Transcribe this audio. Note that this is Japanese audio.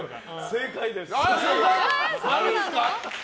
正解です。